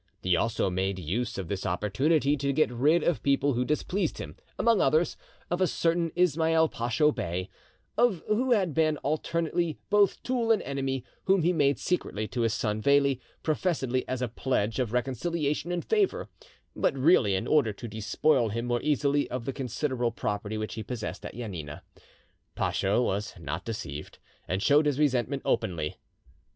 He also made use of this opportunity to get rid of people who displeased him, among others, of a certain Ismail Pacho Bey, who had been alternately both tool and enemy, whom he made secretary to his son Veli, professedly as a pledge of reconciliation and favour, but really in order to despoil him more easily of the considerable property which he possessed at Janina. Pacho was not deceived, and showed his resentment openly.